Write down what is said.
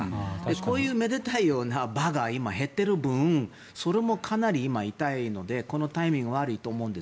こういうめでたいような場が今、減っている分それもかなり今痛いのでこのタイミングは悪いと思うんです。